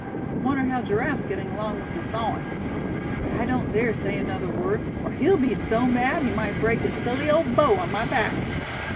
Wonder how Giraffe's gettin' along with his sawin'? But I don't dare say another word, or he'll be so mad he might break his silly old bow on my back."